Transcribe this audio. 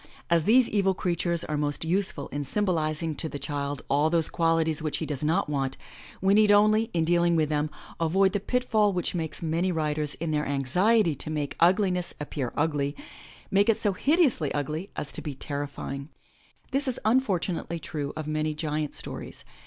As these evil creatures are most useful in symobliz ing to the child all those qualities which he does not want, we need only, in dealing with them, avoid the pitfall which makes many writers, in their anxiety to make ugliness appear ugly, make it so hideously ugly as to be terrifying. This is unfortunately true of many giant stories.